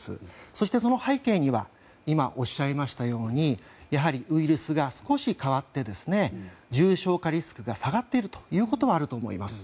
そしてその背景には今、おっしゃいましたようにやはりウイルスが少し変わって重症化リスクが下がっているということはあると思います。